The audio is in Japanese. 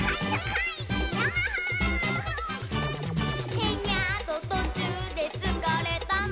「ヘニャーっととちゅうでつかれたの」